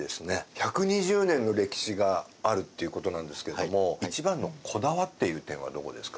１２０年の歴史があるっていう事なんですけども一番のこだわっている点はどこですか？